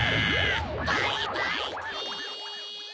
バイバイキン！